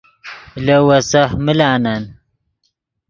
لے ویسہہ ملانن